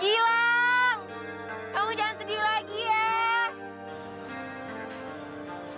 hilang kamu jangan sedih lagi ya